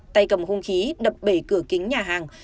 tay cầm hung khí đập bể cửa kính nhà hàng